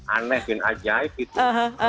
aneh bin ajaib itu